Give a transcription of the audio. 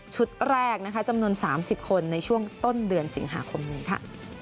แรกนะคะจำนวน๓๐คนในช่วงต้นเดือนสิงหาคมนี้ค่ะ